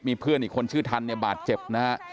มีเพื่อนอีกคนชื่อทันเนี่ยบาดเจ็บนะฮะ